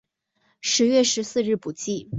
十月十四日补记。